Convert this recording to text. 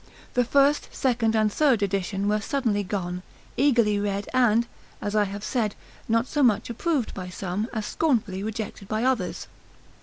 The first, second, and third edition were suddenly gone, eagerly read, and, as I have said, not so much approved by some, as scornfully rejected by others.